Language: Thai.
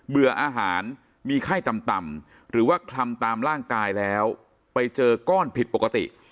ื่ออาหารมีไข้ต่ำหรือว่าคลำตามร่างกายแล้วไปเจอก้อนผิดปกติ